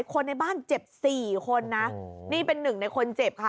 คนในบ้านเจ็บ๔คนนะนี่เป็นหนึ่งในคนเจ็บค่ะ